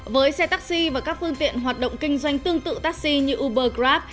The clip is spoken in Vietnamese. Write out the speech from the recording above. với xe taxi và các phương tiện hoạt động kinh doanh tương tự taxi như uber grab